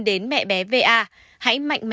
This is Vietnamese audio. đến mẹ bé v a